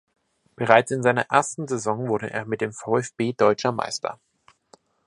Bereits in seiner ersten Saison wurde er mit dem VfB Deutscher Meister.